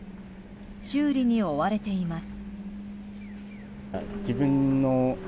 修理に追われています。